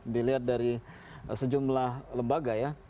dilihat dari sejumlah lembaga ya